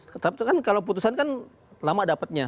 tetapi kan kalau putusan kan lama dapatnya